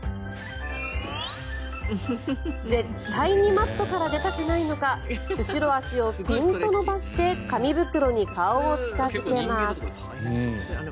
絶対にマットから出たくないのか後ろ足をピンと伸ばして紙袋に顔を近付けます。